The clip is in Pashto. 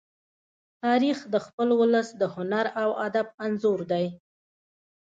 تاریخ د خپل ولس د هنر او ادب انځور دی.